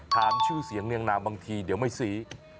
ชื่อเสียงเนียงนามบางทีเดี๋ยวไม่ซื้อ